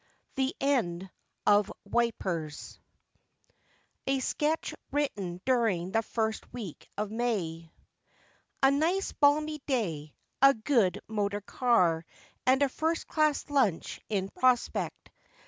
THE END OF " WIPERS " A SKETCH WRITTEN DURING THE FIRST WEEK OF MAY A nice balmy day, a good motor car, and a first class lunch in prospect.